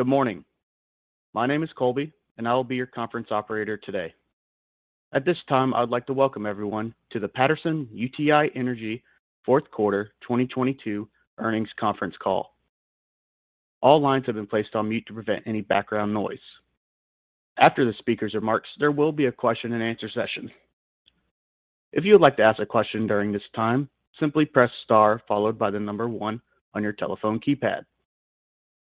Good morning. My name is Colby. I will be your conference operator today. At this time, I'd like to welcome everyone to the Patterson-UTI Energy fourth quarter 2022 earnings conference call. All lines have been placed on mute to prevent any background noise. After the speaker's remarks, there will be a question and answer session. If you would like to ask a question during this time, simply press star followed by 1 on your telephone keypad.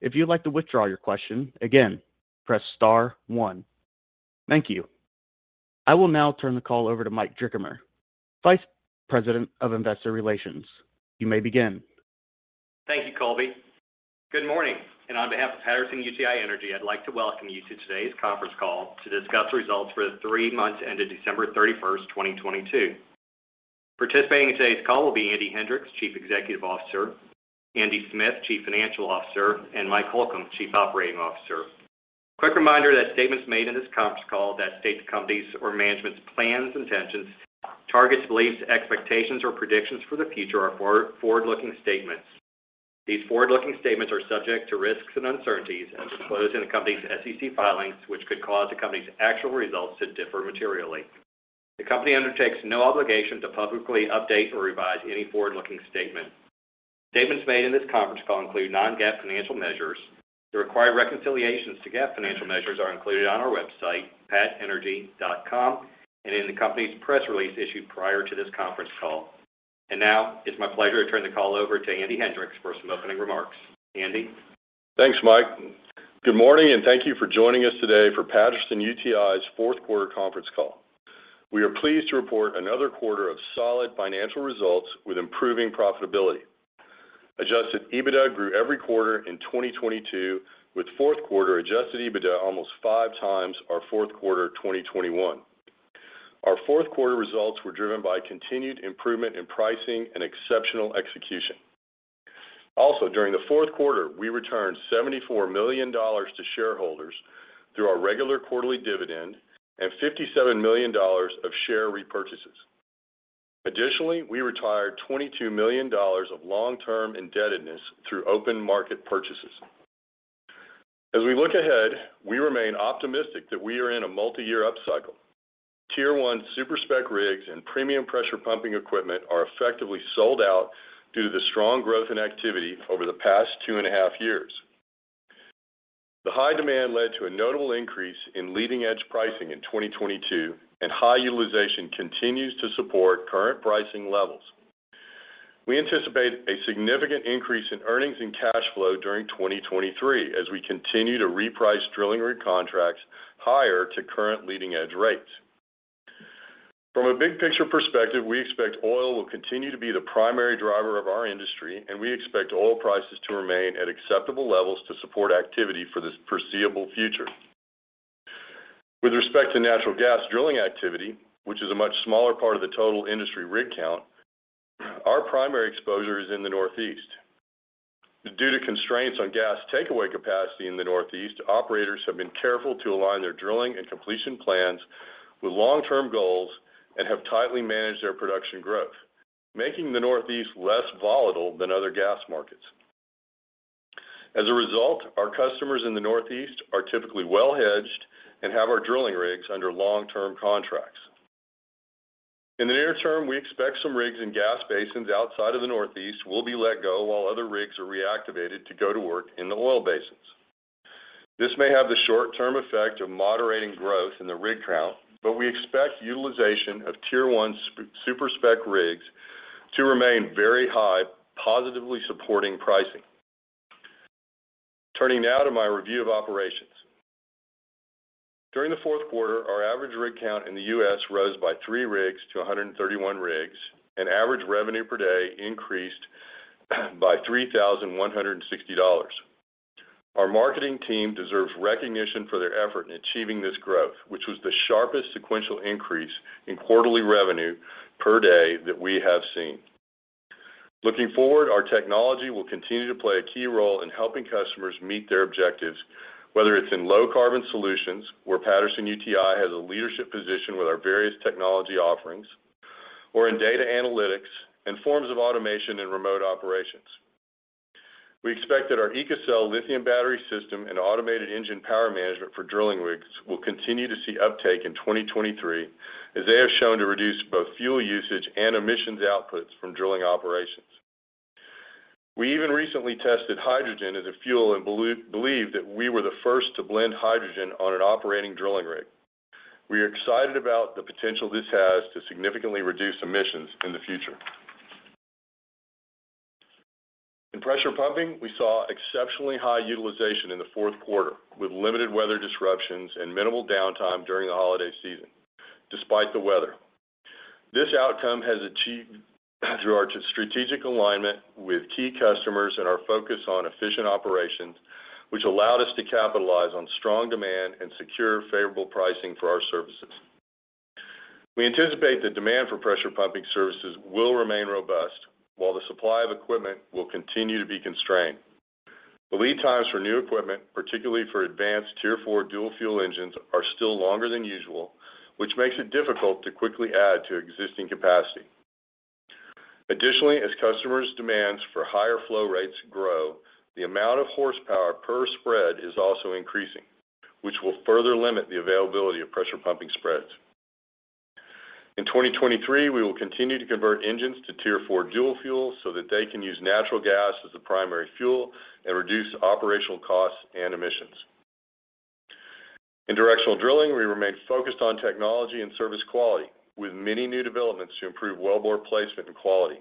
If you'd like to withdraw your question, again, press star 1. Thank you. I will now turn the call over to Mike Drickamer, Vice President of Investor Relations. You may begin. Thank you, Colby. Good morning, on behalf of Patterson-UTI Energy, I'd like to welcome you to today's conference call to discuss results for the three months ended December 31, 2022. Participating in today's call will be Andy Hendricks, Chief Executive Officer, Andy Smith, Chief Financial Officer, and Mike Holcomb, Chief Operating Officer. Quick reminder that statements made in this conference call that state the company's or management's plans, intentions, targets, beliefs, expectations, or predictions for the future are forward-looking statements. These forward-looking statements are subject to risks and uncertainties as disclosed in the company's SEC filings, which could cause the company's actual results to differ materially. The company undertakes no obligation to publicly update or revise any forward-looking statement. Statements made in this conference call include non-GAAP financial measures. The required reconciliations to GAAP financial measures are included on our website, patenergy.com, and in the company's press release issued prior to this conference call. Now it's my pleasure to turn the call over to Andy Hendricks for some opening remarks. Andy? Thanks, Mike. Good morning, and thank you for joining us today for Patterson-UTI's fourth quarter conference call. We are pleased to report another quarter of solid financial results with improving profitability. Adjusted EBITDA grew every quarter in 2022, with fourth quarter Adjusted EBITDA almost 5 times our fourth quarter 2021. Our fourth quarter results were driven by continued improvement in pricing and exceptional execution. During the fourth quarter, we returned $74 million to shareholders through our regular quarterly dividend and $57 million of share repurchases. We retired $22 million of long-term indebtedness through open market purchases. We look ahead, we remain optimistic that we are in a multi-year upcycle. Tier 1 super-spec rigs and premium pressure pumping equipment are effectively sold out due to the strong growth in activity over the past two and a half years. The high demand led to a notable increase in leading-edge pricing in 2022. High utilization continues to support current pricing levels. We anticipate a significant increase in earnings and cash flow during 2023 as we continue to reprice drilling rig contracts higher to current leading-edge rates. From a big picture perspective, we expect oil will continue to be the primary driver of our industry. We expect oil prices to remain at acceptable levels to support activity for the foreseeable future. With respect to natural gas drilling activity, which is a much smaller part of the total industry rig count, our primary exposure is in the Northeast. Due to constraints on gas takeaway capacity in the Northeast, operators have been careful to align their drilling and completion plans with long-term goals and have tightly managed their production growth, making the Northeast less volatile than other gas markets. As a result, our customers in the Northeast are typically well-hedged and have our drilling rigs under long-term contracts. In the near term, we expect some rigs in gas basins outside of the Northeast will be let go while other rigs are reactivated to go to work in the oil basins. This may have the short-term effect of moderating growth in the rig count, but we expect utilization of Tier 1 super-spec rigs to remain very high, positively supporting pricing. Turning now to my review of operations. During the fourth quarter, our average rig count in the U.S. rose by 3 rigs to 131 rigs, and average revenue per day increased by $3,160. Our marketing team deserves recognition for their effort in achieving this growth, which was the sharpest sequential increase in quarterly revenue per day that we have seen. Looking forward, our technology will continue to play a key role in helping customers meet their objectives, whether it's in low carbon solutions, where Patterson-UTI has a leadership position with our various technology offerings, or in data analytics and forms of automation and remote operations. We expect that our EcoCell lithium battery system and automated engine power management for drilling rigs will continue to see uptake in 2023, as they have shown to reduce both fuel usage and emissions outputs from drilling operations. We even recently tested hydrogen as a fuel and believe that we were the first to blend hydrogen on an operating drilling rig. We are excited about the potential this has to significantly reduce emissions in the future. In pressure pumping, we saw exceptionally high utilization in the fourth quarter, with limited weather disruptions and minimal downtime during the holiday season, despite the weather. This outcome was achieved through our strategic alignment with key customers and our focus on efficient operations, which allowed us to capitalize on strong demand and secure favorable pricing for our services. We anticipate the demand for pressure pumping services will remain robust while the supply of equipment will continue to be constrained. The lead times for new equipment, particularly for advanced Tier 4 dual-fuel engines, are still longer than usual, which makes it difficult to quickly add to existing capacity. Additionally, as customers' demands for higher flow rates grow, the amount of horsepower per spread is also increasing, which will further limit the availability of pressure pumping spreads. In 2023, we will continue to convert engines to Tier 4 dual-fuel so that they can use natural gas as the primary fuel and reduce operational costs and emissions. In directional drilling, we remain focused on technology and service quality, with many new developments to improve wellbore placement and quality.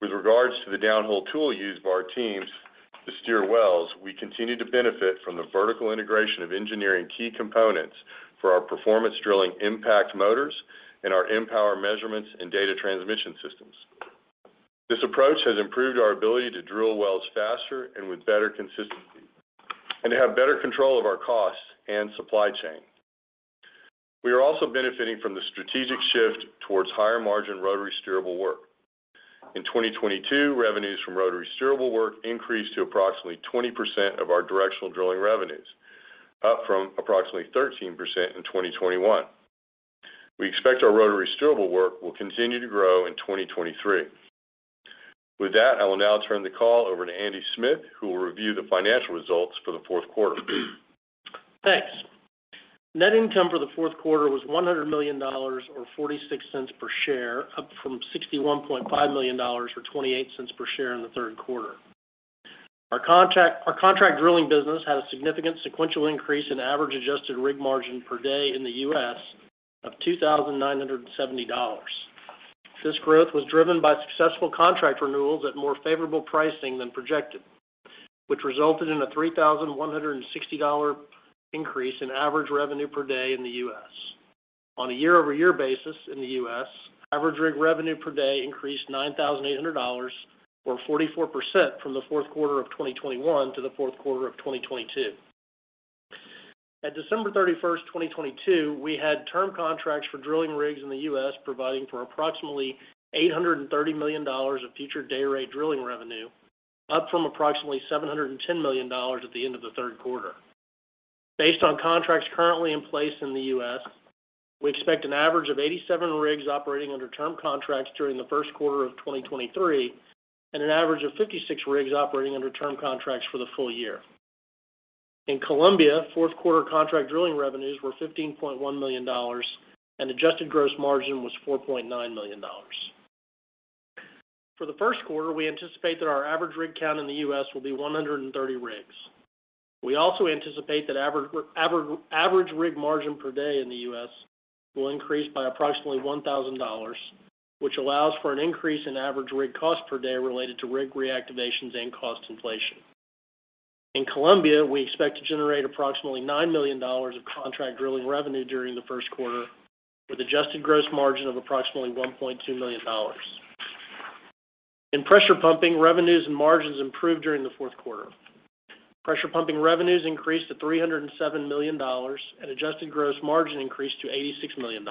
With regards to the downhole tool used by our teams to steer wells, we continue to benefit from the vertical integration of engineering key components for our performance drilling MPact motors and our MPower measurements and data transmission systems. This approach has improved our ability to drill wells faster and with better consistency and to have better control of our costs and supply chain. We are also benefiting from the strategic shift towards higher margin rotary steerable work. In 2022, revenues from rotary steerable work increased to approximately 20% of our directional drilling revenues, up from approximately 13% in 2021. We expect our rotary steerable work will continue to grow in 2023. I will now turn the call over to Andy Smith, who will review the financial results for the fourth quarter. Thanks. Net income for the fourth quarter was $100 million or $0.46 per share, up from $61.5 million or $0.28 per share in the third quarter. Our contract drilling business had a significant sequential increase in average adjusted rig margin per day in the U.S. of $2,970. This growth was driven by successful contract renewals at more favorable pricing than projected, which resulted in a $3,160 increase in average revenue per day in the U.S. On a year-over-year basis in the U.S., average rig revenue per day increased $9,800, or 44% from the fourth quarter of 2021 to the fourth quarter of 2022. At December 31, 2022, we had term contracts for drilling rigs in the U.S., providing for approximately $830 million of future dayrate drilling revenue, up from approximately $710 million at the end of the 3rd quarter. Based on contracts currently in place in the U.S., we expect an average of 87 rigs operating under term contracts during the 1st quarter of 2023 and an average of 56 rigs operating under term contracts for the full year. In Colombia, 4th quarter contract drilling revenues were $15.1 million, and adjusted gross margin was $4.9 million. For the 1st quarter, we anticipate that our average rig count in the U.S. will be 130 rigs. We also anticipate that average rig margin per day in the U.S. will increase by approximately $1,000, which allows for an increase in average rig cost per day related to rig reactivations and cost inflation. In Colombia, we expect to generate approximately $9 million of contract drilling revenue during the first quarter, with adjusted gross margin of approximately $1.2 million. In pressure pumping, revenues and margins improved during the fourth quarter. Pressure pumping revenues increased to $307 million, and adjusted gross margin increased to $86 million.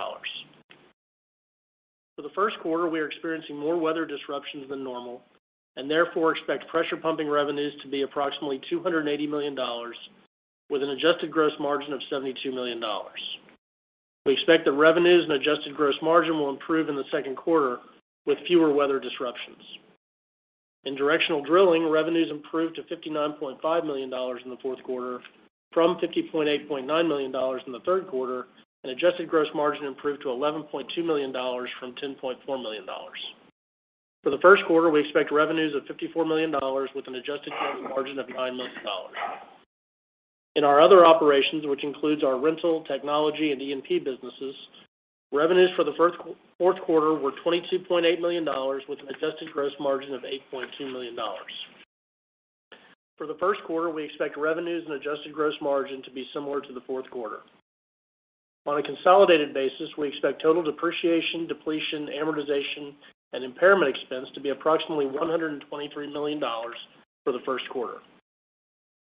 For the first quarter, we are experiencing more weather disruptions than normal and therefore expect pressure pumping revenues to be approximately $280 million, with an adjusted gross margin of $72 million. We expect that revenues and adjusted gross margin will improve in the second quarter with fewer weather disruptions. In directional drilling, revenues improved to $59.5 million in the fourth quarter from $58.9 million in the third quarter, and adjusted gross margin improved to $11.2 million from $10.4 million. For the first quarter, we expect revenues of $54 million with an adjusted gross margin of $9 million. In our other operations, which includes our rental, technology, and E&P businesses, revenues for the fourth quarter were $22.8 million with an adjusted gross margin of $8.2 million. For the first quarter, we expect revenues and adjusted gross margin to be similar to the fourth quarter. On a consolidated basis, we expect total depreciation, depletion, amortization, and impairment expense to be approximately $123 million for the first quarter.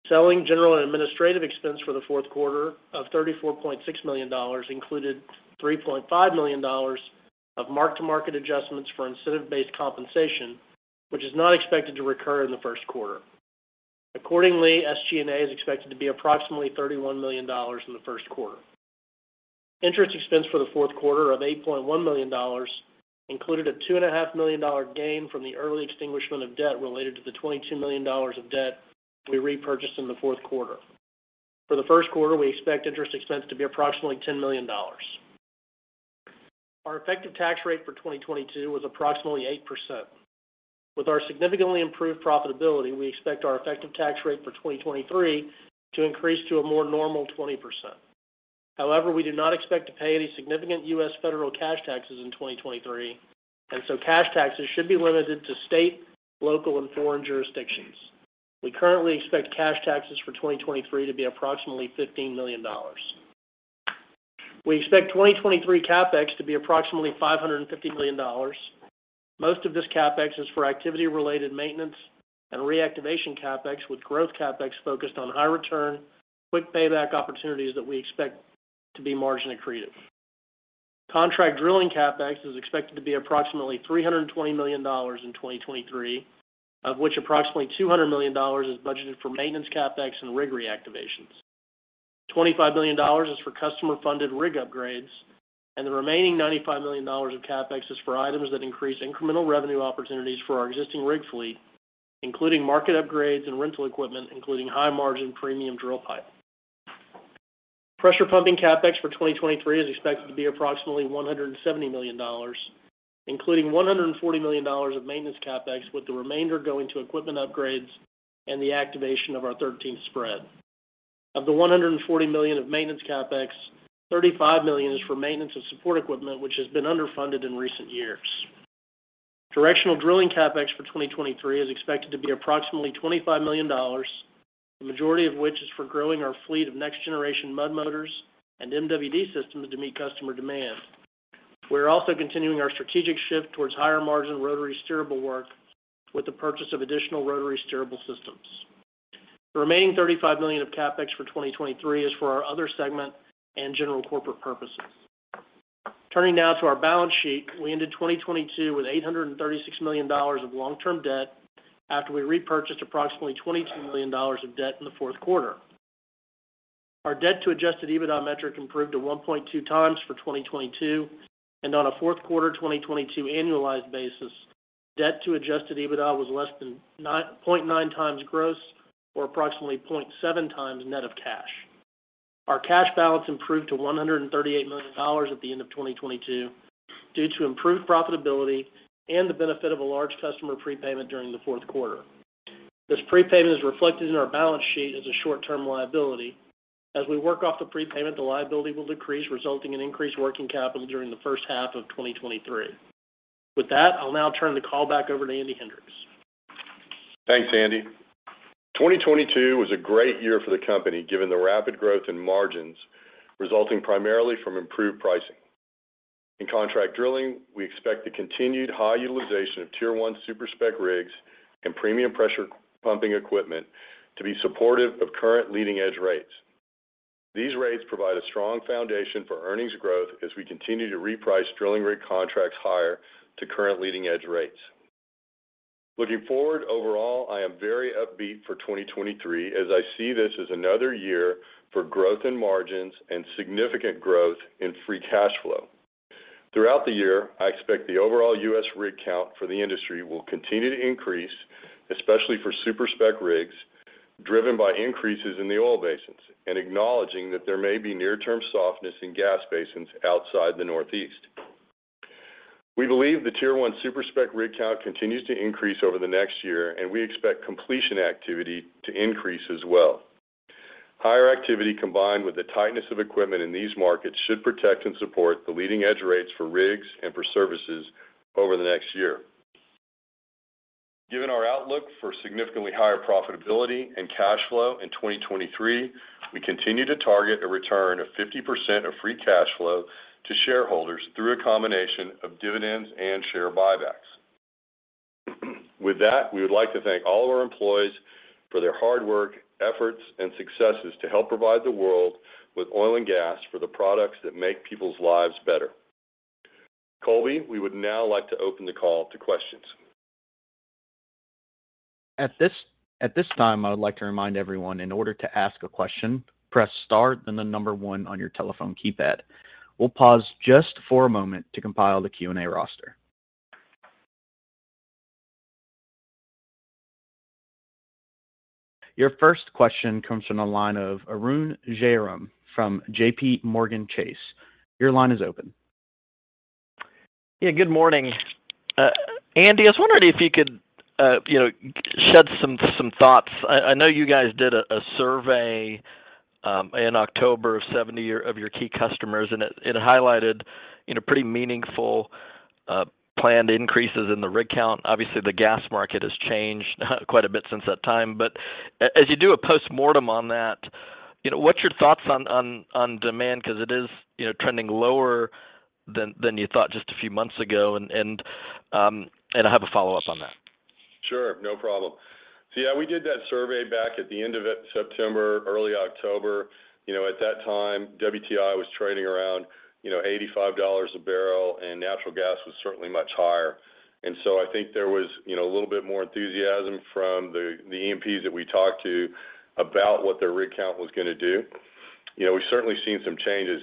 Selling, general, and administrative expense for the fourth quarter of $34.6 million included $3.5 million of mark-to-market adjustments for incentive-based compensation, which is not expected to recur in the first quarter. Accordingly, SG&A is expected to be approximately $31 million in the first quarter. Interest expense for the fourth quarter of $8.1 million included a two and a half million dollar gain from the early extinguishment of debt related to the $22 million of debt we repurchased in the fourth quarter. For the first quarter, we expect interest expense to be approximately $10 million. Our effective tax rate for 2022 was approximately 8%. With our significantly improved profitability, we expect our effective tax rate for 2023 to increase to a more normal 20%. However, we do not expect to pay any significant U.S. federal cash taxes in 2023, and so cash taxes should be limited to state, local, and foreign jurisdictions. We currently expect cash taxes for 2023 to be approximately $15 million. We expect 2023 CapEx to be approximately $550 million. Most of this CapEx is for activity related maintenance and reactivation CapEx, with growth CapEx focused on high return, quick payback opportunities that we expect to be margin accretive. Contract drilling CapEx is expected to be approximately $320 million in 2023, of which approximately $200 million is budgeted for maintenance CapEx and rig reactivations. $25 million is for customer-funded rig upgrades, and the remaining $95 million of CapEx is for items that increase incremental revenue opportunities for our existing rig fleet, including market upgrades and rental equipment, including high-margin premium drill pipe. Pressure pumping CapEx for 2023 is expected to be approximately $170 million, including $140 million of maintenance CapEx, with the remainder going to equipment upgrades and the activation of our 13th spread. Of the $140 million of maintenance CapEx, $35 million is for maintenance and support equipment, which has been underfunded in recent years. Directional drilling CapEx for 2023 is expected to be approximately $25 million, the majority of which is for growing our fleet of next-generation mud motors and MWD systems to meet customer demand. We're also continuing our strategic shift towards higher-margin rotary steerable work with the purchase of additional rotary steerable systems. The remaining $35 million of CapEx for 2023 is for our other segment and general corporate purposes. Turning now to our balance sheet. We ended 2022 with $836 million of long-term debt after we repurchased approximately $22 million of debt in the fourth quarter. Our debt to adjusted EBITDA metric improved to 1.2 times for 2022, and on a fourth quarter 2022 annualized basis, debt to adjusted EBITDA was less than 0.9 times gross or approximately 0.7 times net of cash. Our cash balance improved to $138 million at the end of 2022 due to improved profitability and the benefit of a large customer prepayment during the fourth quarter. This prepayment is reflected in our balance sheet as a short-term liability. As we work off the prepayment, the liability will decrease, resulting in increased working capital during the first half of 2023. I'll now turn the call back over to Andy Hendricks. Thanks, Andy. 2022 was a great year for the company, given the rapid growth in margins resulting primarily from improved pricing. In contract drilling, we expect the continued high utilization of Tier 1 super-spec rigs and premium pressure pumping equipment to be supportive of current leading-edge rates. These rates provide a strong foundation for earnings growth as we continue to reprice drilling rig contracts higher to current leading-edge rates. Looking forward, overall, I am very upbeat for 2023 as I see this as another year for growth in margins and significant growth in free cash flow. Throughout the year, I expect the overall U.S. rig count for the industry will continue to increase, especially for super-spec rigs driven by increases in the oil basins and acknowledging that there may be near-term softness in gas basins outside the Northeast. We believe the Tier 1 super-spec rig count continues to increase over the next year and we expect completion activity to increase as well. Higher activity combined with the tightness of equipment in these markets should protect and support the leading-edge rates for rigs and for services over the next year. Given our outlook for significantly higher profitability and cash flow in 2023, we continue to target a return of 50% of free cash flow to shareholders through a combination of dividends and share buybacks. We would like to thank all of our employees for their hard work, efforts, and successes to help provide the world with oil and gas for the products that make people's lives better. Colby, we would now like to open the call to questions. At this time, I would like to remind everyone in order to ask a question, press star then the number 1 on your telephone keypad. We'll pause just for a moment to compile the Q&A roster. Your first question comes from the line of Arun Jayaram from JPMorgan Chase. Your line is open. Yeah, good morning. Andy, I was wondering if you could, you know, shed some thoughts. I know you guys did a survey, in October of 70 of your key customers, and it highlighted, you know, pretty meaningful, planned increases in the rig count. Obviously, the gas market has changed quite a bit since that time. As you do a postmortem on that, you know, what's your thoughts on demand? 'Cause it is, you know, trending lower than you thought just a few months ago. I have a follow-up on that. Sure. No problem. Yeah, we did that survey back at the end of September, early October. You know, at that time, WTI was trading around, you know, $85 a barrel, and natural gas was certainly much higher. I think there was, you know, a little bit more enthusiasm from the E&Ps that we talked to about what their rig count was gonna do. You know, we've certainly seen some changes.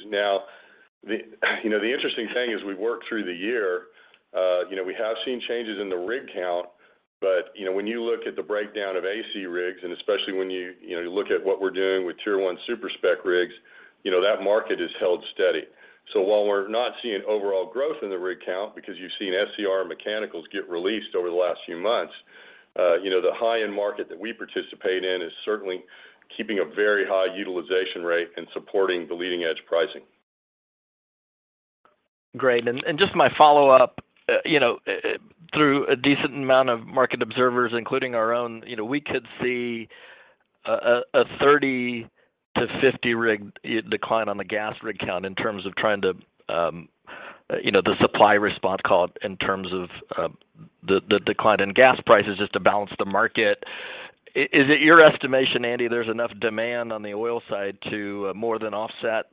The, you know, the interesting thing as we work through the year, you know, we have seen changes in the rig count, but, you know, when you look at the breakdown of AC rigs, and especially when you know, you look at what we're doing with Tier 1 super-spec rigs, you know, that market has held steady. While we're not seeing overall growth in the rig count because you've seen SCR and mechanicals get released over the last few months, you know, the high-end market that we participate in is certainly keeping a very high utilization rate and supporting the leading-edge pricing. Great. Just my follow-up, you know, through a decent amount of market observers, including our own, you know, we could see a 30 to 50 rig decline on the gas rig count in terms of trying to, you know, the supply response call in terms of the decline in gas prices just to balance the market. Is it your estimation, Andy, there's enough demand on the oil side to more than offset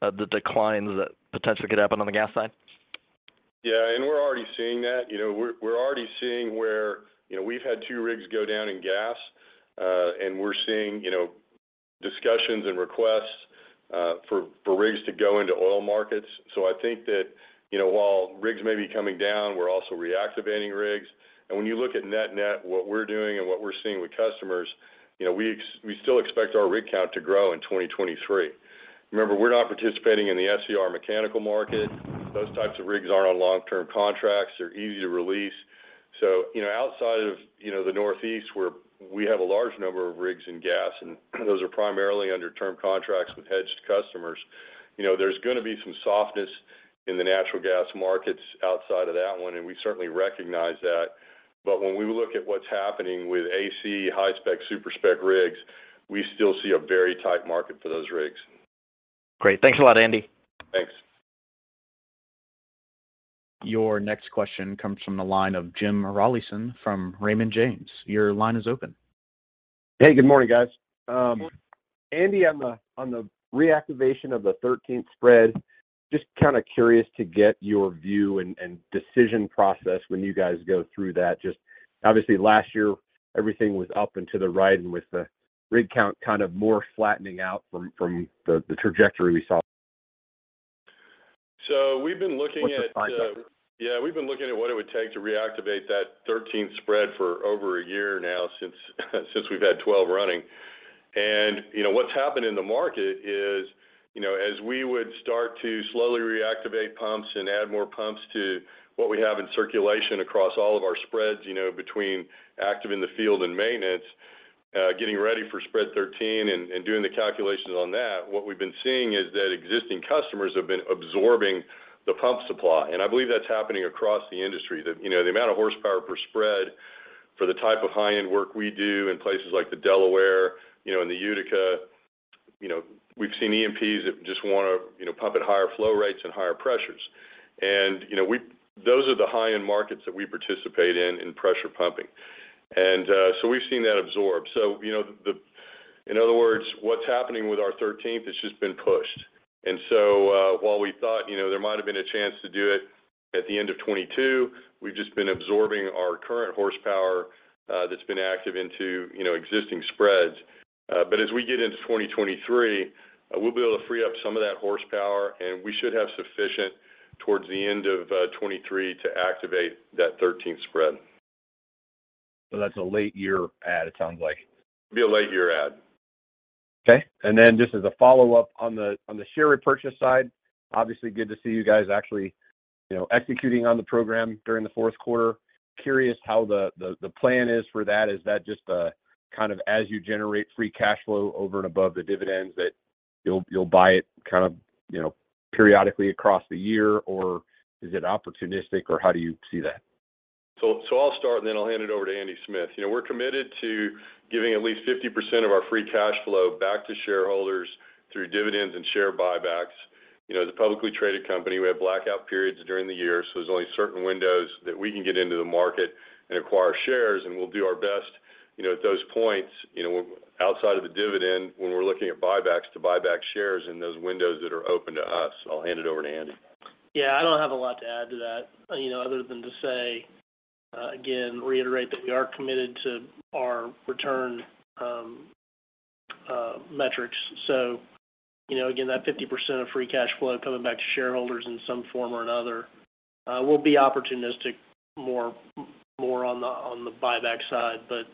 the declines that potentially could happen on the gas side? Yeah, we're already seeing that. You know, we're already seeing where, you know, we've had 2 rigs go down in gas, we're seeing, you know, discussions and requests for rigs to go into oil markets. I think that, you know, while rigs may be coming down, we're also reactivating rigs. When you look at net-net, what we're doing and what we're seeing with customers, you know, we still expect our rig count to grow in 2023. Remember, we're not participating in the SCR mechanical market. Those types of rigs are on long-term contracts. They're easy to release. You know, outside of, you know, the Northeast where we have a large number of rigs in gas, and those are primarily under term contracts with hedged customers, you know, there's gonna be some softness in the natural gas markets outside of that one, and we certainly recognize that. When we look at what's happening with AC, high spec, super-spec rigs, we still see a very tight market for those rigs. Great. Thanks a lot, Andy. Thanks. Your next question comes from the line of Jim Rollyson from Raymond James. Your line is open. Hey, good morning, guys. Andy, on the reactivation of the thirteenth spread, just kinda curious to get your view and decision process when you guys go through that? Just obviously last year, everything was up and to the right and with the rig count kind of more flattening out from the trajectory we saw. We've been looking at. What's the timeline? Yeah. We've been looking at what it would take to reactivate that 13th spread for over a year now since we've had 12 running. You know, what's happened in the market is, you know, as we would start to slowly reactivate pumps and add more pumps to what we have in circulation across all of our spreads, you know, between active in the field and maintenance, getting ready for spread 13 and doing the calculations on that, what we've been seeing is that existing customers have been absorbing the pump supply. I believe that's happening across the industry. You know, the amount of horsepower per spread for the type of high-end work we do in places like the Delaware, you know, in the Utica, you know, we've seen E&Ps that just wanna, you know, pump at higher flow rates and higher pressures. You know, we those are the high-end markets that we participate in in pressure pumping. So we've seen that absorb. You know, In other words, what's happening with our 13th, it's just been pushed. While we thought, you know, there might have been a chance to do it at the end of 22, we've just been absorbing our current horsepower that's been active into, you know, existing spreads. As we get into 2023, we'll be able to free up some of that horsepower, and we should have sufficient towards the end of 23 to activate that 13th spread. That's a late year add, it sounds like. It'll be a late year add. Okay. Just as a follow-up on the share repurchase side, obviously good to see you guys actually, you know, executing on the program during the fourth quarter. Curious how the plan is for that. Is that just a kind of as you generate free cash flow over and above the dividends that you'll buy it kind of, you know, periodically across the year, or is it opportunistic, or how do you see that? I'll start, and then I'll hand it over to Andy Smith. You know, we're committed to giving at least 50% of our free cash flow back to shareholders through dividends and share buybacks. As a publicly traded company, we have blackout periods during the year, so there's only certain windows that we can get into the market and acquire shares, and we'll do our best, you know, at those points, you know, outside of the dividend, when we're looking at buybacks to buy back shares in those windows that are open to us. I'll hand it over to Andy. Yeah. I don't have a lot to add to that, you know, other than to say, again, reiterate that we are committed to our return, metrics. You know, again, that 50% of free cash flow coming back to shareholders in some form or another. We'll be opportunistic more on the buyback side, but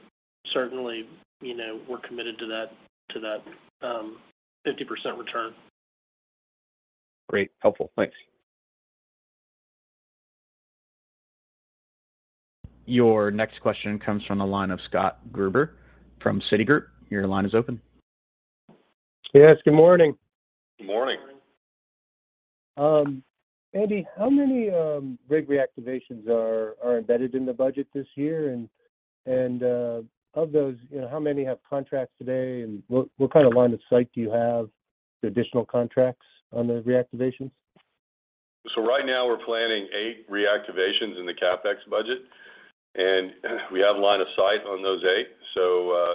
certainly, you know, we're committed to that 50% return. Great. Helpful. Thanks. Your next question comes from the line of Scott Gruber from Citigroup. Your line is open. Yes. Good morning. Good morning. Andy, how many rig reactivations are embedded in the budget this year? Of those, you know, how many have contracts today, and what kind of line of sight do you have for additional contracts on the reactivations? Right now we're planning 8 reactivations in the CapEx budget. We have line of sight on those 8.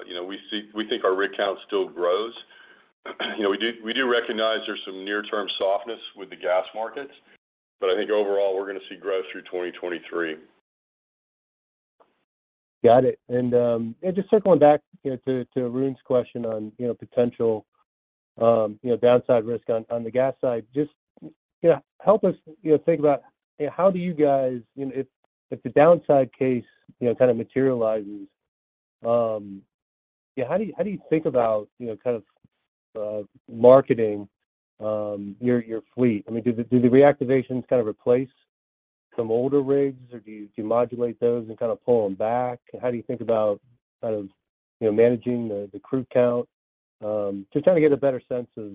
You know, we think our rig count still grows. You know, we do recognize there's some near term softness with the gas markets. I think overall we're gonna see growth through 2023. Got it. Just circling back, you know, to Arun's question on, you know, potential, you know, downside risk on the gas side, just, you know, help us, you know, think about, you know, how do you guys, you know, if the downside case, you know, kind of materializes, you know, how do you think about, you know, kind of marketing, your fleet? I mean, do the reactivations kind of replace some older rigs, or do you modulate those and kind of pull them back? How do you think about kind of, you know, managing the crew count? Just trying to get a better sense of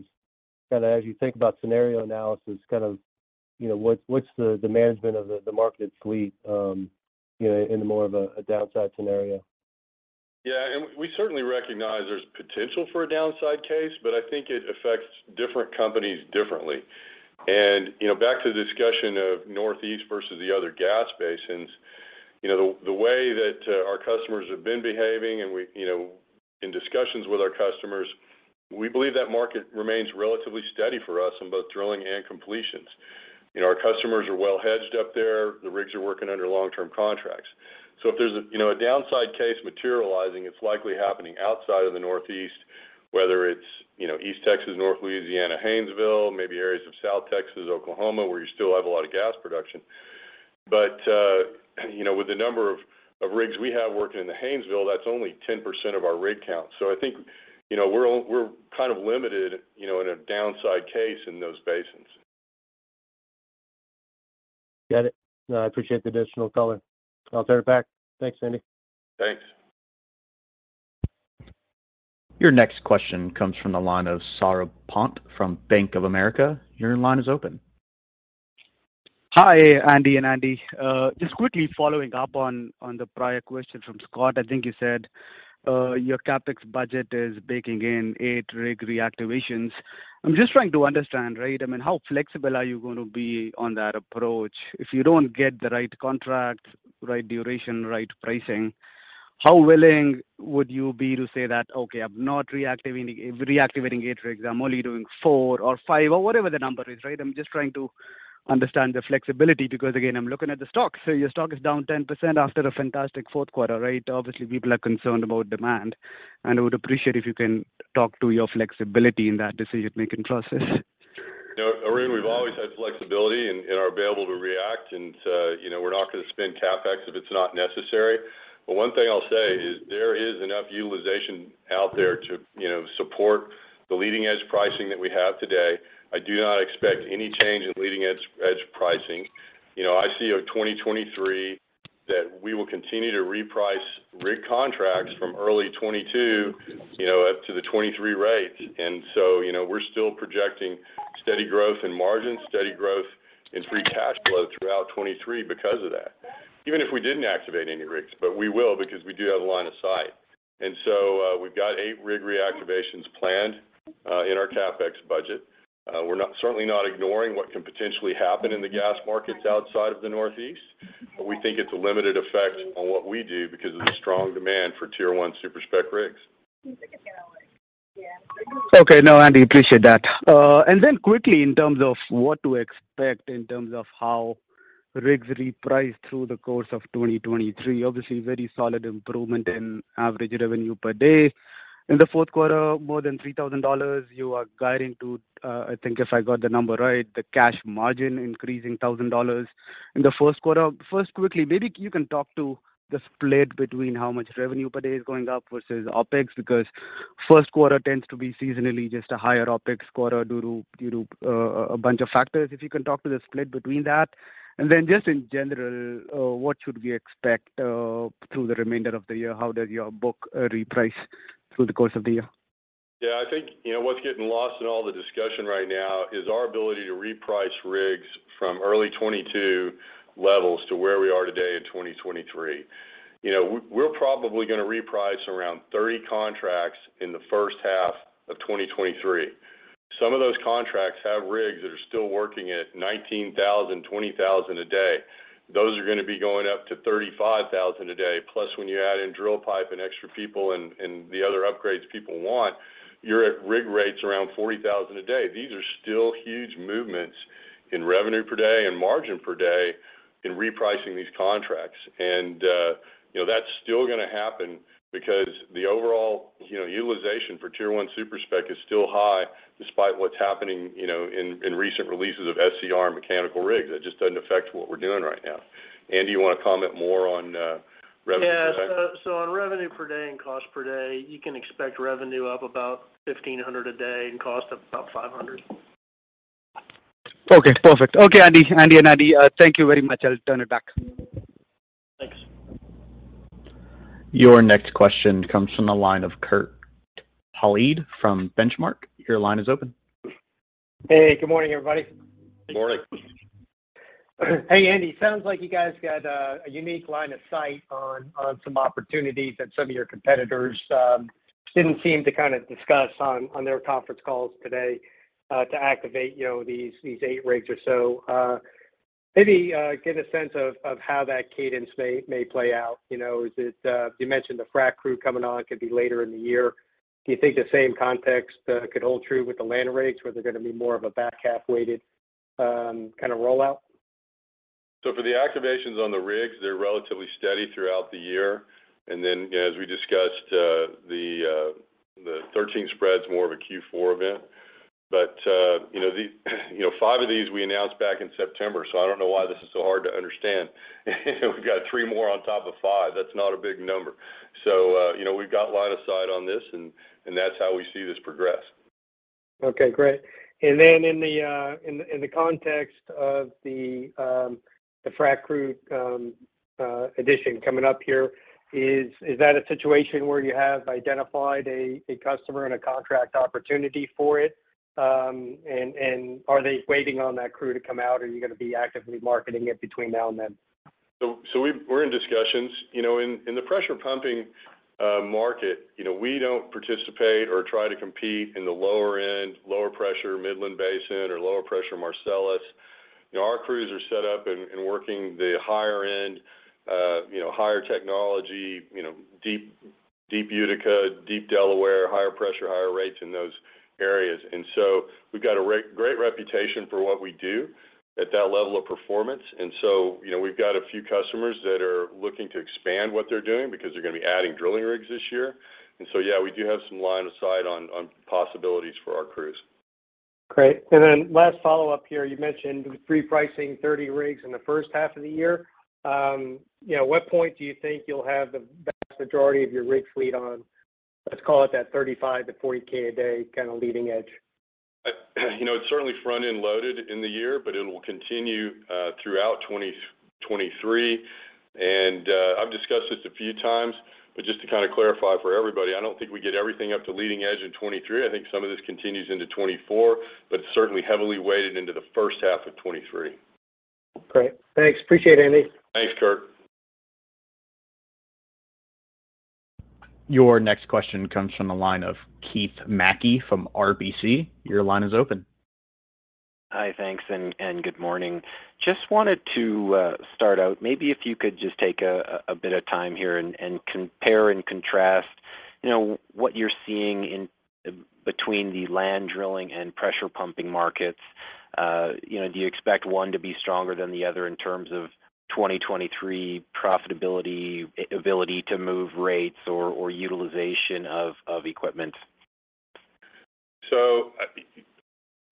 kind of as you think about scenario analysis, kind of, you know, what's the management of the marketed fleet, you know, in more of a downside scenario? We certainly recognize there's potential for a downside case, but I think it affects different companies differently. You know, back to the discussion of Northeast versus the other gas basins. You know, the way that our customers have been behaving and we, you know, in discussions with our customers, we believe that market remains relatively steady for us in both drilling and completions. You know, our customers are well hedged up there. The rigs are working under long-term contracts. If there's a, you know, a downside case materializing, it's likely happening outside of the Northeast, whether it's, you know, East Texas, North Louisiana, Haynesville, maybe areas of South Texas, Oklahoma, where you still have a lot of gas production. You know, with the number of rigs we have working in the Haynesville, that's only 10% of our rig count. I think, you know, we're kind of limited, you know, in a downside case in those basins. Got it. No, I appreciate the additional color. I'll turn it back. Thanks, Andy. Thanks. Your next question comes from the line of Saurabh Pant from Bank of America. Your line is open. Hi, Andy and Andy. Just quickly following up on the prior question from Scott. I think you said, your CapEx budget is baking in 8 rig reactivations. I'm just trying to understand, right? I mean, how flexible are you gonna be on that approach? If you don't get the right contract, right duration, right pricing, how willing would you be to say that, "Okay, I'm not reactivating 8 rigs. I'm only doing 4 or 5," or whatever the number is, right? I'm just trying to understand the flexibility because, again, I'm looking at the stock. Your stock is down 10% after a fantastic fourth quarter, right? Obviously, people are concerned about demand, and I would appreciate if you can talk to your flexibility in that decision-making process. You know, Arun, we've always had flexibility and are available to react. You know, we're not gonna spend CapEx if it's not necessary. One thing I'll say is there is enough utilization out there to, you know, support the leading-edge pricing that we have today. I do not expect any change in leading-edge pricing. You know, I see a 2023 that we will continue to reprice rig contracts from early 2022, you know, up to the 2023 rates. You know, we're still projecting steady growth in margins, steady growth in free cash flow throughout 2023 because of that. Even if we didn't activate any rigs, but we will because we do have line of sight. We've got eight rig reactivations planned in our CapEx budget. Certainly not ignoring what can potentially happen in the gas markets outside of the Northeast, but we think it's a limited effect on what we do because of the strong demand for Tier 1 super-spec rigs. Okay. No, Andy, appreciate that. Quickly in terms of what to expect in terms of how rigs reprice through the course of 2023. Obviously, very solid improvement in average revenue per day. In the fourth quarter, more than $3,000 you are guiding to, I think if I got the number right, the cash margin increasing $1,000. First, quickly, maybe you can talk to the split between how much revenue per day is going up versus OpEx, because first quarter tends to be seasonally just a higher OpEx quarter due to a bunch of factors. If you can talk to the split between that. Just in general, what should we expect through the remainder of the year? How does your book reprice through the course of the year? Yeah. I think, you know, what's getting lost in all the discussion right now is our ability to reprice rigs from early 2022 levels to where we are today in 2023. You know, we're probably gonna reprice around 30 contracts in the first half of 2023. Some of those contracts have rigs that are still working at $19,000, $20,000 a day. Those are gonna be going up to $35,000 a day. Plus, when you add in drill pipe and extra people and the other upgrades people want, you're at rig rates around $40,000 a day. These are still huge movements in revenue per day and margin per day in repricing these contracts. You know, that's still gonna happen because the overall, you know, utilization for Tier 1 super-spec is still high despite what's happening, you know, in recent releases of SCR and mechanical rigs. That just doesn't affect what we're doing right now. Andy, you wanna comment more on revenue per day? On revenue per day and cost per day, you can expect revenue up about $1,500 a day and cost of about $500. Okay. Perfect. Okay, Andy. Andy and Andy, thank you very much. I'll turn it back. Thanks. Your next question comes from the line of Kurt Hallead from Benchmark. Your line is open. Hey, good morning, everybody. Good morning. Hey, Andy. Sounds like you guys got a unique line of sight on some opportunities that some of your competitors didn't seem to kind of discuss on their conference calls today to activate, you know, these eight rigs or so. Maybe get a sense of how that cadence may play out. You know, is it... You mentioned the frac crew coming on could be later in the year. Do you think the same context could hold true with the land rigs, where they're gonna be more of a back-half-weighted kind of rollout? For the activations on the rigs, they're relatively steady throughout the year. Then, as we discussed, the 13 spread's more of a Q4 event. You know, the, you know, 5 of these we announced back in September, so I don't know why this is so hard to understand. We've got 3 more on top of 5. That's not a big number. You know, we've got line of sight on this, and that's how we see this progress. Okay, great. In the context of the frac crew addition coming up here, is that a situation where you have identified a customer and a contract opportunity for it? Are they waiting on that crew to come out, or are you gonna be actively marketing it between now and then? We're in discussions. You know, in the pressure pumping market, you know, we don't participate or try to compete in the lower end, lower pressure Midland Basin or lower pressure Marcellus. You know, our crews are set up and working the higher end, you know, higher technology, deep Utica, deep Delaware, higher pressure, higher rates in those areas. We've got a great reputation for what we do at that level of performance. You know, we've got a few customers that are looking to expand what they're doing because they're gonna be adding drilling rigs this year. Yeah, we do have some line of sight on possibilities for our crews. Great. Last follow-up here. You mentioned repricing 30 rigs in the first half of the year. You know, what point do you think you'll have the vast majority of your rig fleet on, let's call it that $35K-$40K a day kind of leading edge? You know, it's certainly front-end loaded in the year, but it will continue throughout 2023. I've discussed this a few times, but just to kind of clarify for everybody, I don't think we get everything up to leading edge in 2023. I think some of this continues into 2024, but certainly heavily weighted into the first half of 2023. Great. Thanks. Appreciate it, Andy. Thanks, Kurt. Your next question comes from the line of Keith Mackey from RBC. Your line is open. Hi. Thanks, and good morning. Just wanted to start out, maybe if you could just take a bit of time here and compare and contrast, you know, what you're seeing in between the land drilling and pressure pumping markets. You know, do you expect one to be stronger than the other in terms of 2023 profitability, ability to move rates or utilization of equipment?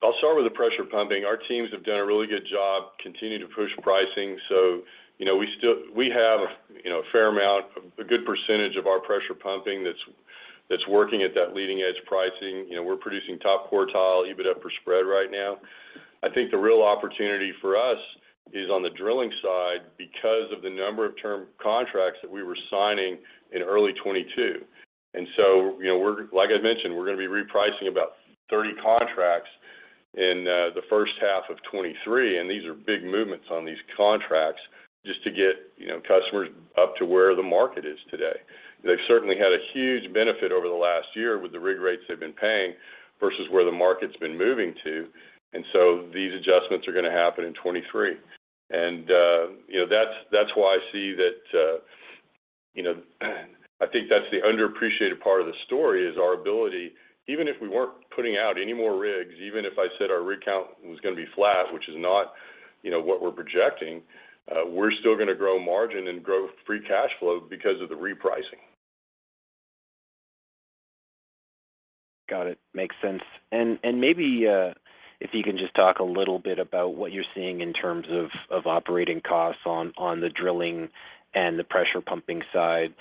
I'll start with the pressure pumping. Our teams have done a really good job continuing to push pricing, you know, We have, you know, a fair amount, a good percentage of our pressure pumping that's working at that leading edge pricing. You know, we're producing top quartile EBITDA per spread right now. I think the real opportunity for us is on the drilling side because of the number of term contracts that we were signing in early 2022. you know, Like I mentioned, we're gonna be repricing about 30 contracts in the first half of 2023. These are big movements on these contracts just to get, you know, customers up to where the market is today. They've certainly had a huge benefit over the last year with the rig rates they've been paying versus where the market's been moving to. These adjustments are gonna happen in 2023. You know, that's why I see that, you know, I think that's the underappreciated part of the story is our ability, even if we weren't putting out any more rigs, even if I said our rig count was gonna be flat, which is not, you know, what we're projecting, we're still gonna grow margin and grow free cash flow because of the repricing. Got it. Makes sense. Maybe, if you can just talk a little bit about what you're seeing in terms of operating costs on the drilling and the pressure pumping side?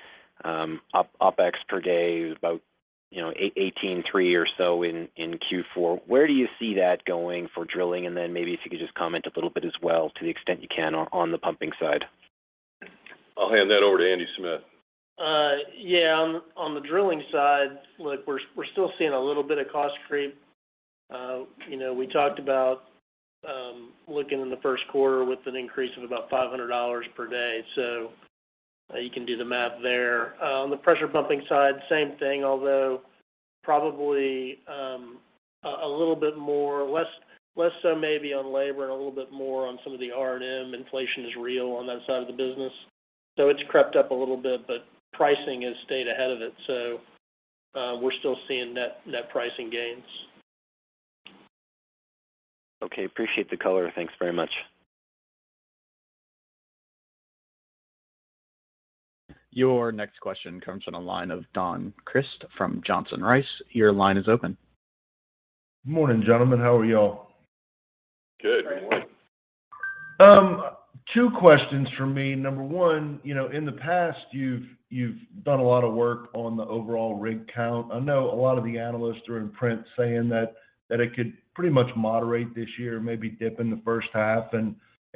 OpEx per day is about, you know, $18.3 or so in Q4. Where do you see that going for drilling? Maybe if you could just comment a little bit as well to the extent you can on the pumping side? I'll hand that over to Andy Smith. Yeah. On the drilling side, look, we're still seeing a little bit of cost creep. You know, we talked about looking in the first quarter with an increase of about $500 per day. You can do the math there. On the pressure pumping side, same thing, although probably a little bit more less so maybe on labor and a little bit more on some of the R&M. Inflation is real on that side of the business. It's crept up a little bit, but pricing has stayed ahead of it. We're still seeing net pricing gains. Okay. Appreciate the color. Thanks very much. Your next question comes from the line of Don Crist from Johnson Rice. Your line is open. Morning, gentlemen. How are y'all? Good morning. Great. Two questions from me. Number 1, you know, in the past, you've done a lot of work on the overall rig count. I know a lot of the analysts are in print saying that it could pretty much moderate this year, maybe dip in the first half and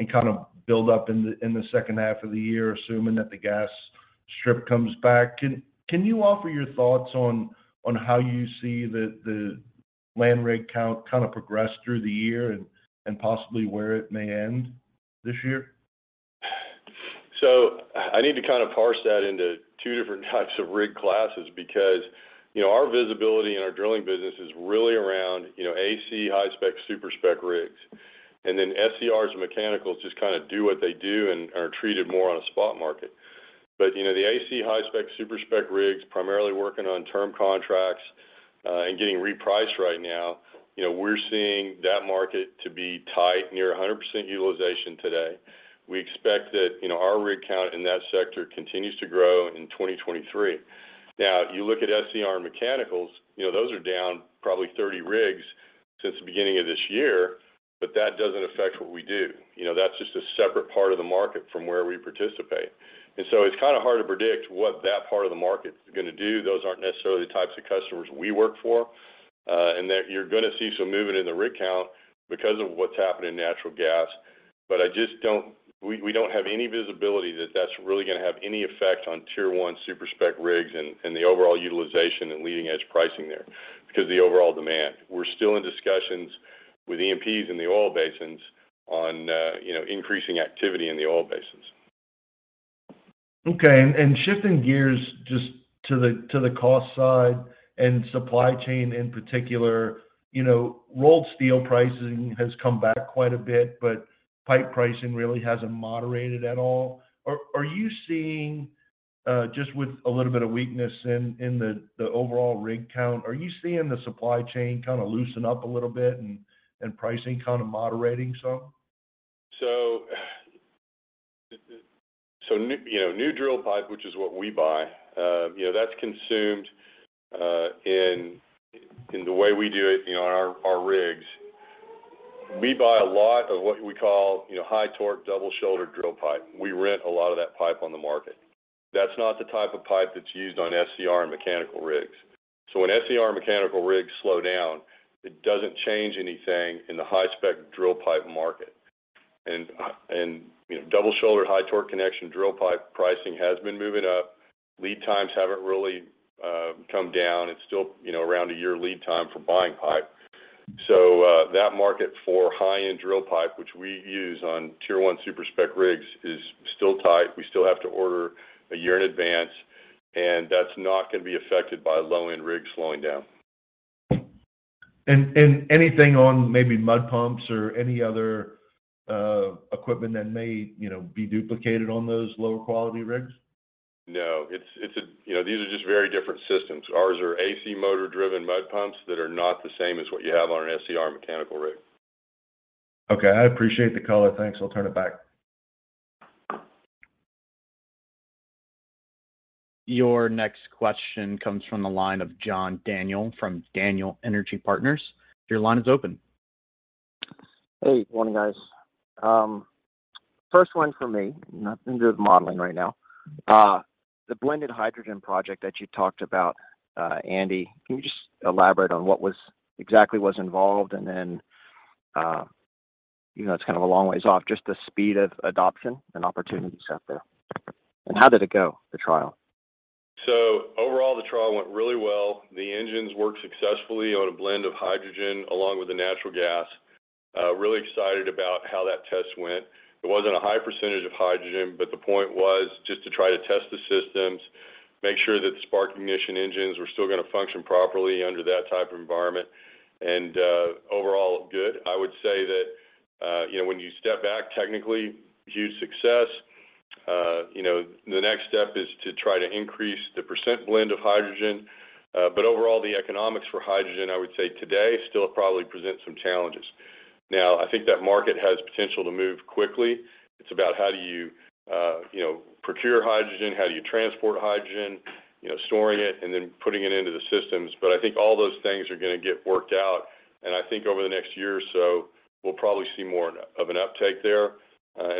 kind of build up in the second half of the year, assuming that the gas strip comes back. Can you offer your thoughts on how you see the land rig count kind of progress through the year and possibly where it may end this year? I need to kind of parse that into 2 different types of rig classes because, you know, our visibility in our drilling business is really around, you know, AC, high-spec, super-spec rigs. SCRs and mechanicals just kind of do what they do and are treated more on a spot market. The AC, high-spec, super-spec rigs primarily working on term contracts and getting repriced right now, you know, we're seeing that market to be tight, near 100% utilization today. We expect that, you know, our rig count in that sector continues to grow in 2023. You look at SCR and mechanicals, you know, those are down probably 30 rigs since the beginning of this year, but that doesn't affect what we do. You know, that's just a separate part of the market from where we participate. It's kind of hard to predict what that part of the market's gonna do. Those aren't necessarily the types of customers we work for. You're gonna see some movement in the rig count because of what's happened in natural gas. I just don't... We don't have any visibility that that's really gonna have any effect on Tier 1 super-spec rigs and the overall utilization and leading edge pricing there because of the overall demand. We're still in discussions with E&Ps in the oil basins on, you know, increasing activity in the oil basins Okay. Shifting gears just to the cost side and supply chain in particular, you know, rolled steel pricing has come back quite a bit, but pipe pricing really hasn't moderated at all. Are you seeing Just with a little bit of weakness in the overall rig count, are you seeing the supply chain kinda loosen up a little bit and pricing kind of moderating some? You know, new drill pipe, which is what we buy, you know, that's consumed in the way we do it, you know, our rigs. We buy a lot of what we call, you know, high torque double shoulder drill pipe. We rent a lot of that pipe on the market. That's not the type of pipe that's used on SCR and mechanical rigs. When SCR mechanical rigs slow down, it doesn't change anything in the high spec drill pipe market. You know, double shoulder high torque connection drill pipe pricing has been moving up. Lead times haven't really come down. It's still, you know, around a year lead time for buying pipe. That market for high-end drill pipe, which we use on Tier 1 super-spec rigs, is still tight. We still have to order a year in advance, and that's not gonna be affected by low-end rigs slowing down. Anything on maybe mud pumps or any other equipment that may, you know, be duplicated on those lower quality rigs? No. It's. You know, these are just very different systems. Ours are AC motor driven mud pumps that are not the same as what you have on an SCR mechanical rig. Okay. I appreciate the color. Thanks. I'll turn it back. Your next question comes from the line of John Daniel from Daniel Energy Partners. Your line is open. Hey. Morning, guys. First one for me, nothing to do with modeling right now. The blended hydrogen project that you talked about, Andy, can you just elaborate on what exactly was involved? You know, it's kind of a long ways off, just the speed of adoption and opportunities out there. How did it go, the trial? Overall, the trial went really well. The engines worked successfully on a blend of hydrogen along with the natural gas. Really excited about how that test went. It wasn't a high % of hydrogen, but the point was just to try to test the systems, make sure that the spark ignition engines were still gonna function properly under that type of environment. Overall, looked good. I would say that, you know, when you step back technically, huge success. You know, the next step is to try to increase the % blend of hydrogen. Overall, the economics for hydrogen, I would say today still probably present some challenges. I think that market has potential to move quickly. It's about how do you know, procure hydrogen, how do you transport hydrogen, you know, storing it, and then putting it into the systems. I think all those things are gonna get worked out, and I think over the next year or so, we'll probably see more of an uptake there.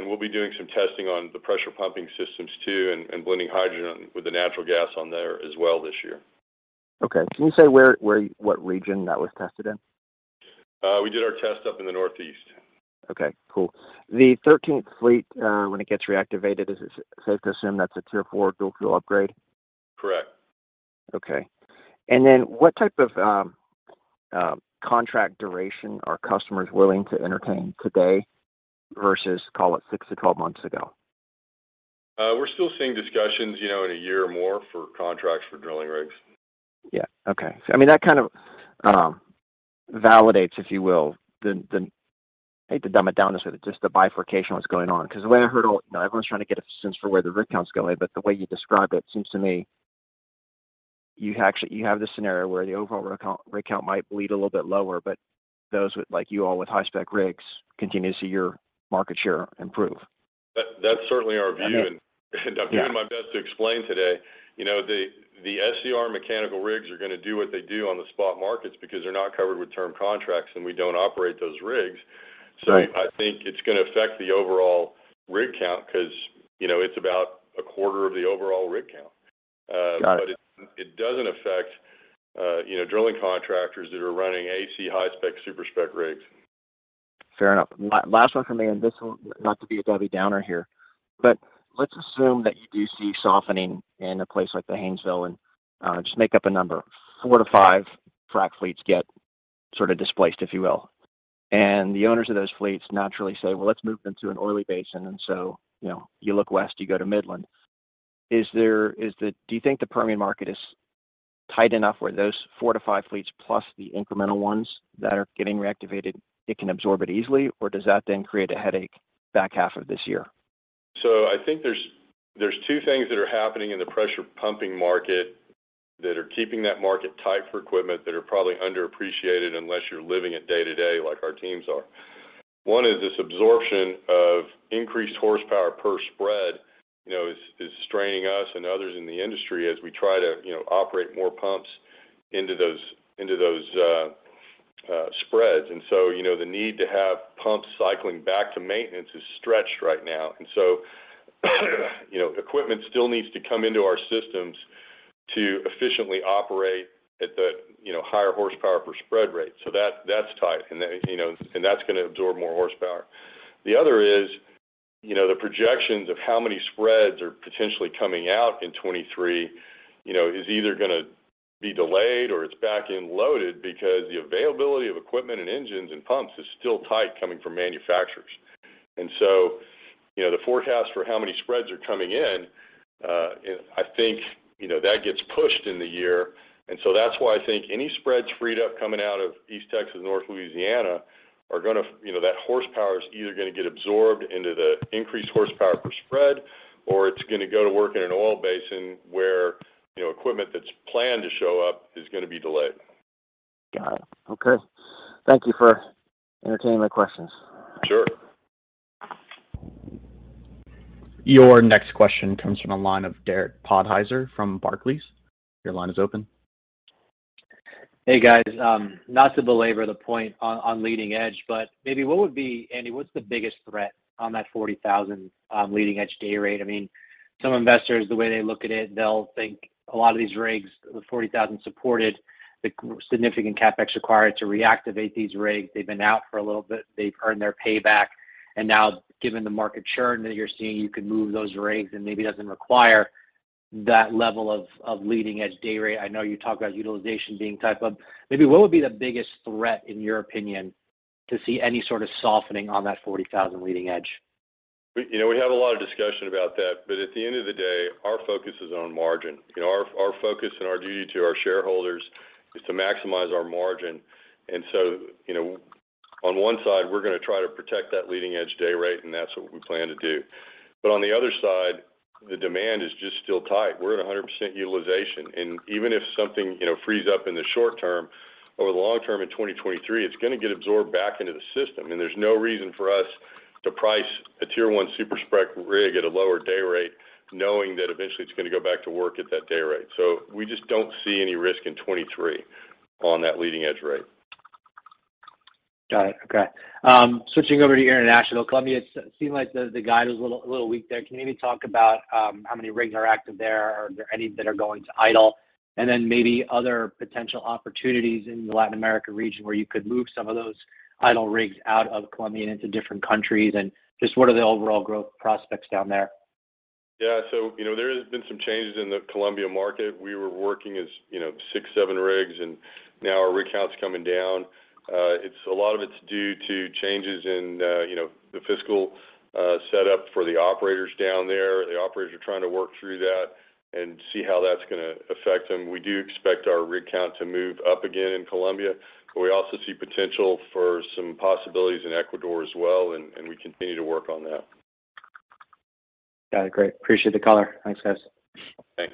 We'll be doing some testing on the pressure pumping systems too and blending hydrogen with the natural gas on there as well this year. Okay. Can you say what region that was tested in? We did our test up in the Northeast. Okay, cool. The 13th fleet, when it gets reactivated, is it safe to assume that's a Tier 4 dual-fuel upgrade? Correct. Okay. What type of contract duration are customers willing to entertain today versus call it 6 to 12 months ago? We're still seeing discussions, you know, in a year or more for contracts for drilling rigs. Okay. I mean, that kind of validates, if you will, I hate to dumb it down this way, but just the bifurcation what's going on, 'cause the way I heard all. You know, everyone's trying to get a sense for where the rig count's going, but the way you describe it seems to me you actually have this scenario where the overall rig count might bleed a little bit lower, but those with like you all with high spec rigs continue to see your market share improve. That's certainly our view. Okay. Yeah. I'm doing my best to explain today. You know, the SCR mechanical rigs are gonna do what they do on the spot markets because they're not covered with term contracts, and we don't operate those rigs. Right. I think it's gonna affect the overall rig count 'cause, you know, it's about a quarter of the overall rig count. Got it. it doesn't affect, you know, drilling contractors that are running AC high spec, super-spec rigs. Fair enough. Last one from me, and this one not to be a Debbie Downer here, but let's assume that you do see softening in a place like the Haynesville, just make up a number, 4-5 frack fleets get sort of displaced, if you will. The owners of those fleets naturally say, "Well, let's move them to an oily basin." So, you know, you look west, you go to Midland. Do you think the Permian market is tight enough where those 4-5 fleets plus the incremental ones that are getting reactivated, it can absorb it easily, or does that then create a headache back half of this year? I think there's two things that are happening in the pressure pumping market that are keeping that market tight for equipment that are probably underappreciated unless you're living it day to day like our teams are. One is this absorption of increased horsepower per spread, you know, is straining us and others in the industry as we try to, you know, operate more pumps into those spreads. You know, the need to have pumps cycling back to maintenance is stretched right now. You know, equipment still needs to come into our systems to efficiently operate at the, you know, higher horsepower per spread rate. That's tight, and that, you know, that's gonna absorb more horsepower. The other is, you know, the projections of how many spreads are potentially coming out in 2023, you know, is either gonna be delayed or it's back-end loaded because the availability of equipment and engines and pumps is still tight coming from manufacturers. You know, the forecast for how many spreads are coming in, I think, you know, that gets pushed in the year. That's why I think any spreads freed up coming out of East Texas, North Louisiana are gonna, you know, that horsepower is either gonna get absorbed into the increased horsepower per spread, or it's gonna go to work in an oil basin where, you know, equipment that's planned to show up is gonna be delayed. Got it. Okay. Thank you for entertaining my questions. Sure. Your next question comes from the line of Derek Podhaizer from Barclays. Your line is open. Hey, guys. Not to belabor the point on leading edge, but maybe Andy, what's the biggest threat on that 40,000 leading edge day rate? I mean, some investors, the way they look at it, they'll think a lot of these rigs, the 40,000 supported, the significant CapEx required to reactivate these rigs. They've been out for a little bit. They've earned their payback. Now, given the market churn that you're seeing, you could move those rigs, and maybe it doesn't require that level of leading edge day rate. I know you talk about utilization being tight, maybe what would be the biggest threat, in your opinion, to see any sort of softening on that 40,000 leading edge? You know, we have a lot of discussion about that, but at the end of the day, our focus is on margin. You know, our focus and our duty to our shareholders is to maximize our margin. You know, on one side, we're gonna try to protect that leading edge day rate, and that's what we plan to do. On the other side, the demand is just still tight. We're at 100% utilization. Even if something, you know, frees up in the short term, over the long term in 2023, it's gonna get absorbed back into the system. There's no reason for us to price a Tier 1 super-spec rig at a lower day rate, knowing that eventually it's gonna go back to work at that day rate. We just don't see any risk in 23 on that leading edge rate. Got it. Okay. Switching over to international. Columbia, it seemed like the guide was a little weak there. Can you maybe talk about how many rigs are active there? Are there any that are going to idle? Then maybe other potential opportunities in the Latin America region where you could move some of those idle rigs out of Columbia into different countries, Just what are the overall growth prospects down there? You know, there has been some changes in the Colombia market. We were working as, you know, six, seven rigs, and now our rig count's coming down. It's a lot of it's due to changes in, you know, the fiscal setup for the operators down there. The operators are trying to work through that and see how that's gonna affect them. We do expect our rig count to move up again in Colombia. We also see potential for some possibilities in Ecuador as well, and we continue to work on that. Got it. Great. Appreciate the color. Thanks, guys. Thanks.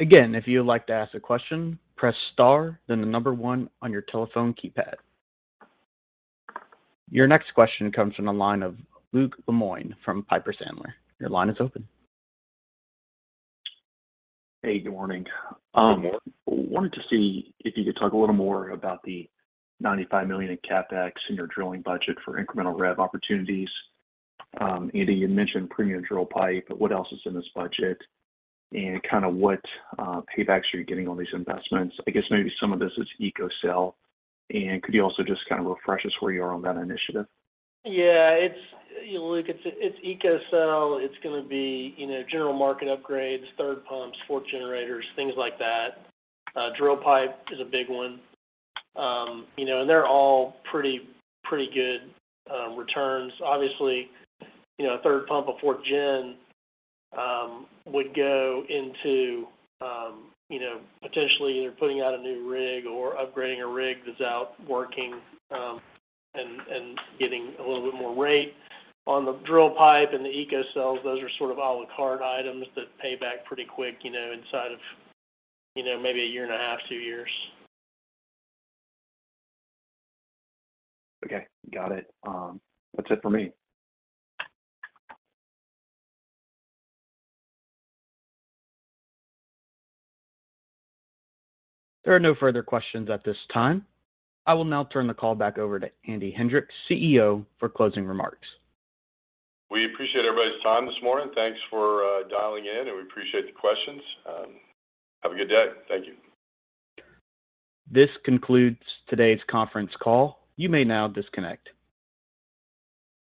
If you would like to ask a question, press star, then the number one on your telephone keypad. Your next question comes from the line of Luke Lemoine from Piper Sandler. Your line is open. Hey, good morning. Good morning. Wanted to see if you could talk a little more about the $95 million in CapEx in your drilling budget for incremental rev opportunities. Andy, you mentioned premium drill pipe, what else is in this budget? Kinda what paybacks are you getting on these investments? I guess maybe some of this is EcoCell. Could you also just kind of refresh us where you are on that initiative? Yeah. It's, you know, Luke, it's EcoCell. It's gonna be, you know, general market upgrades, third pumps, fourth generators, things like that. Drill pipe is a big one. You know, and they're all pretty good returns. Obviously, you know, a third pump, a fourth gen, would go into, you know, potentially either putting out a new rig or upgrading a rig that's out working, and getting a little bit more rate. On the drill pipe and the EcoCells, those are sort of à la carte items that pay back pretty quick, you know, inside of, you know, maybe a year and a half, two years. Okay. Got it. That's it for me. There are no further questions at this time. I will now turn the call back over to Andy Hendricks, CEO, for closing remarks. We appreciate everybody's time this morning. Thanks for dialing in. We appreciate the questions. Have a good day. Thank you. This concludes today's conference call. You may now disconnect.